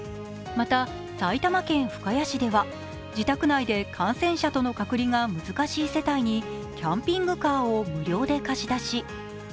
また、埼玉県深谷市では自宅内で感染者との隔離が難しい世帯にキャンピングカーを無料で貸し出し。